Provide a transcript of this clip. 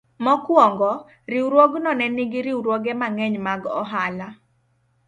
Mokwongo, riwruogno ne nigi riwruoge mang'eny mag ohala.